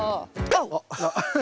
あっ！